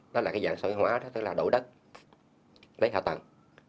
đó là cái dạng xã hội hóa đó tức là đổ đất lấy hạ tầng